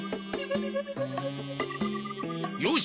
よし！